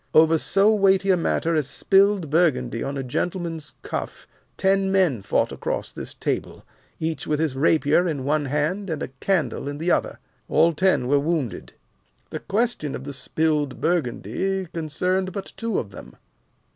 Over so weighty a matter as spilled Burgundy on a gentleman's cuff, ten men fought across this table, each with his rapier in one hand and a candle in the other. All ten were wounded. The question of the spilled Burgundy concerned but two of them.